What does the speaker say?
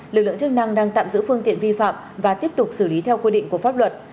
lực lượng chức năng đang tạm giữ phương tiện vi phạm và tiếp tục xử lý theo quy định của pháp luật